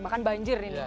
bahkan banjir ini